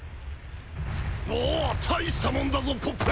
おぉたいしたもんだぞポップ。